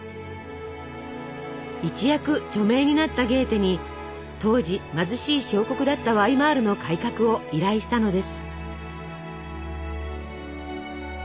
一躍著名になったゲーテに当時貧しい小国だったワイマールの改革を依頼したのです。